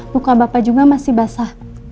muka bapak juga masih basah